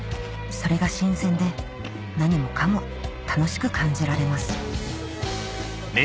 それが新鮮で何もかも楽しく感じられます